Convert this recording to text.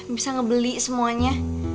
bisa ngebeli semuanya